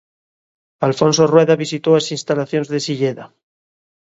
Alfonso Rueda visitou as instalacións de Silleda.